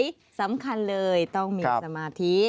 คัดลายมือสวยสำคัญเลยต้องมีสมาธิ